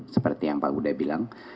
seperti yang pak huda bilang